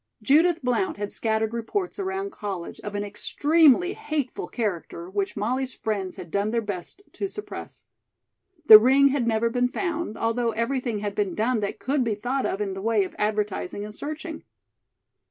Judith Blount had scattered reports around college of an extremely hateful character which Molly's friends had done their best to suppress. The ring had never been found, although everything had been done that could be thought of in the way of advertising and searching.